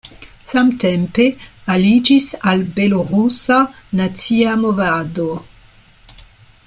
Samtempe aliĝis al belorusa nacia movado.